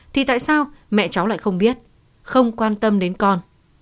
thì tại sao mẹ cháu lại không biết không quan tâm đến con